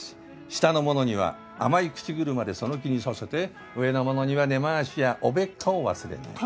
下の者には甘い口車でその気にさせて上の者には根回しやおべっかを忘れない。